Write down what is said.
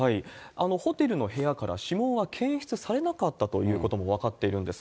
ホテルの部屋から指紋は検出されなかったということも分かっているんです。